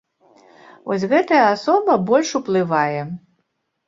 Вось гэтая асоба больш уплывае.